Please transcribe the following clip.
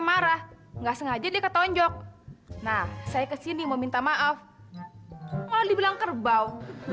marah nggak sengaja diketonjok nah saya kesini meminta maaf malah dibilang kerbau